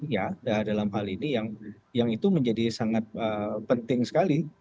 ya dalam hal ini yang itu menjadi sangat penting sekali